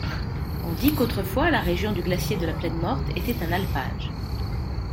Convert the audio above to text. On dit qu'autrefois la région du glacier de la Plaine Morte était un alpage.